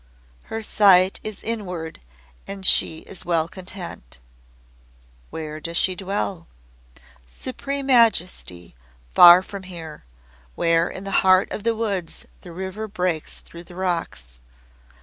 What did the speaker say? Her sight is inward, and she is well content." "Where does she dwell?" "Supreme Majesty, far from here where in the heart of the woods the river breaks through the rocks."